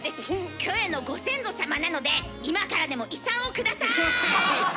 キョエのご先祖様なので今からでも遺産を下さい！